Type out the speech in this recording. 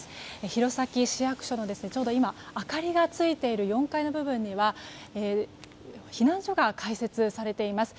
弘前市役所のちょうど明かりがついている４階の部分には避難所が開設されています。